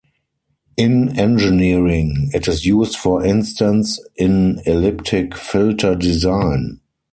In engineering, it is used for instance in elliptic filter design.